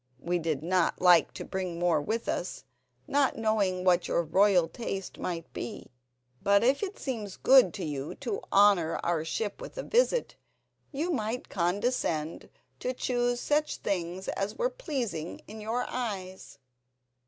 We did not like to bring more with us, not knowing what your royal taste might be; but if it seems good to you to honour our ship with a visit, you might condescend to choose such things as were pleasing in your eyes."